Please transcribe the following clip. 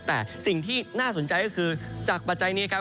แต่สิ่งที่น่าสนใจก็คือจากปัจจัยนี้ครับ